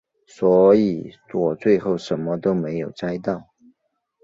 所以我最后什么都没有摘到